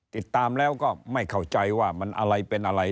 ติดตามแล้วก็ไม่เข้าใจว่ามันอะไรเป็นอะไร